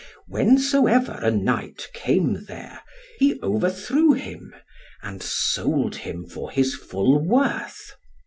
Whensoever a knight came there, he overthrew him, and sold him for his full worth.